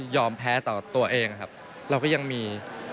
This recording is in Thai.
ใช่